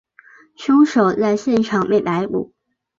凶手在现场被逮捕。